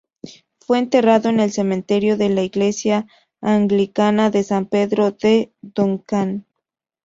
Fue enterrado en el cementerio de la iglesia anglicana de San Pedro en Duncan.